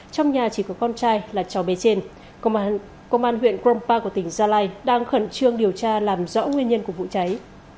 trong nhà chỉ có con trai là cháu bé trên công an huyện kronpa của tỉnh gia lai đang khẩn trương điều tra làm rõ nguyên nhân của vụ cháy